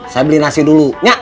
saya beli nasi dulu